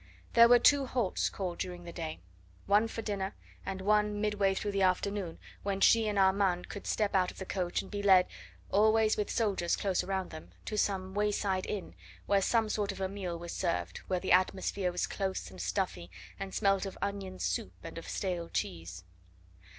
There were two halts called during the day one for dinner and one midway through the afternoon when she and Armand would step out of the coach and be led always with soldiers close around them to some wayside inn, where some sort of a meal was served, where the atmosphere was close and stuffy and smelt of onion soup and of stale cheese.